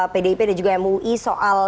pdip dan juga mui soal